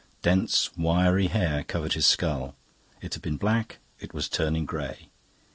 Dense wiry hair covered his skull; it had been black, it was turning grey.